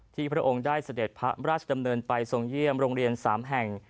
พระองค์ได้เสด็จพระราชดำเนินไปทรงเยี่ยมโรงเรียน๓แห่ง